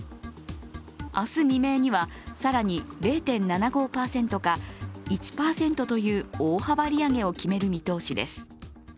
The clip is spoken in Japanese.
明日未明には更に０．７５％か１％という大幅利上げを決める見通しです。